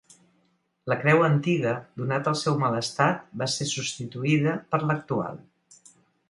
La creu antiga, donat el seu mal estat, va ser substituïda per l'actual.